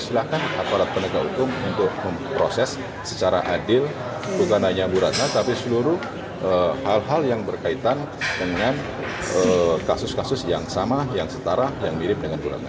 silahkan aparat penegak hukum untuk memproses secara adil bukan hanya bu ratna tapi seluruh hal hal yang berkaitan dengan kasus kasus yang sama yang setara yang mirip dengan bu ratna